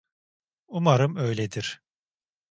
Umarım öyledir.